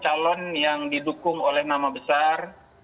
calon yang didukung oleh nama besar